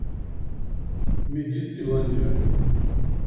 Medicilândia